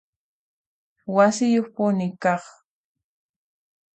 Wasiyuqpuni kaq